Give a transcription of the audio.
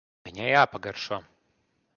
Viņai jāpagaršo.